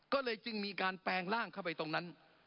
ก็เลยจึงมีการแปลงร่างเข้าไปตรงนั้น